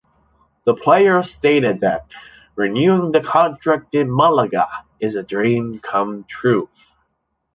The player stated that “Renewing the contract with Malaga is a dream come truth”.